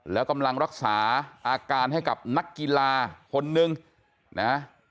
แล้วกำลังรักษาอาการให้กับนักกีฬาคนนึงนะ